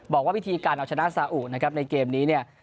บอกว่าวิธีการเอาชนะสาอุนะครับในเกมนี้เนี่ย